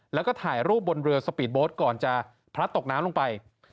แล้วก็ถ่ายรูปบนเรือสปีดโบ๊ทก่อนจะพลัดตกน้ำลงไป